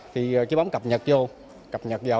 thì cái bấm cập nhật vô